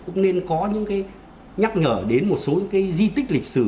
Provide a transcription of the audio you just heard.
cũng nên có những cái nhắc nhở đến một số cái di tích lịch sử